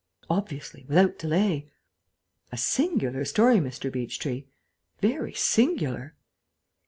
"Obviously, without delay.... A singular story, Mr. Beechtree; very singular."